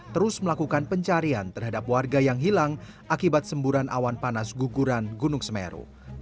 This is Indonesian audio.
terus melakukan pencarian terhadap warga yang hilang akibat semburan awan panas guguran gunung semeru